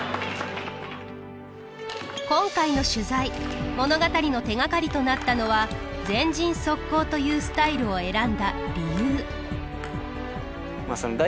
今回の取材物語の手がかりとなったのは「前陣速攻」というスタイルを選んだ理由。